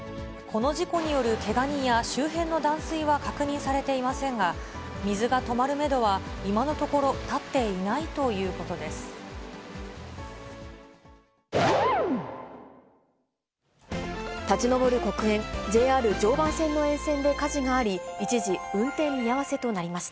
この事故によるけが人や周辺の断水は確認されていませんが、水が止まるメドは今のところ立っていないということです。